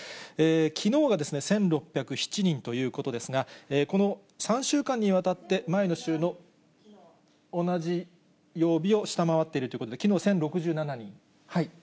きのうが１６０７人ということですが、この３週間にわたって、前の週の同じ曜日を下回っているということで、きのう１０６７人。